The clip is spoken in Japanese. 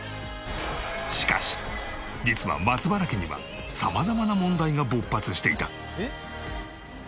しかし実は松原家には様々な問題が勃発していた。